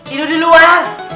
idul di luar